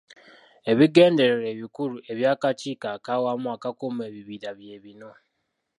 Ebigendererwa ebikulu eby'Akakiiko ak'Awamu Akakuuma Ebibira bye bino.